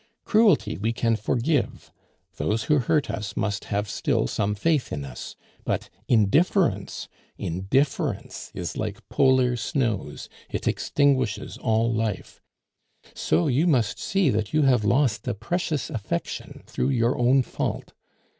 Cruelty we can forgive; those who hurt us must have still some faith in us; but indifference! Indifference is like polar snows, it extinguishes all life. So, you must see that you have lost a precious affection through your own fault.